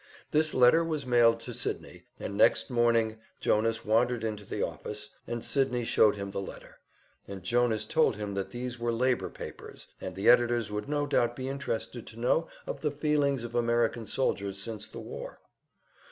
This letter was mailed to Sydney, and next morning Jonas wandered into the office, and Sydney showed him the letter, and Jonas told him that these were labor papers, and the editors would no doubt be interested to know of the feelings of American soldiers since the war.